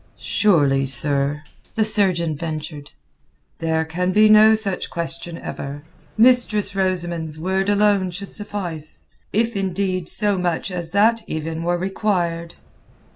"Surely, sir," the surgeon ventured, "there can be no such question ever. Mistress Rosamund's word alone should suffice, if indeed so much as that even were required."